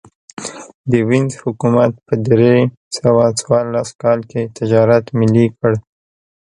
د وینز حکومت په درې سوه څوارلس کال کې تجارت ملي کړ